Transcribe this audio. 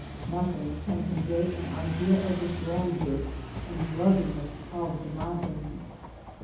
Nothing can convey an idea of the grandeur and ruggedness of the mountains.